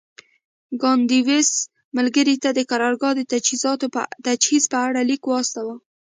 کاندیدوس ملګري ته د قرارګاه د تجهیز په اړه لیک واستاوه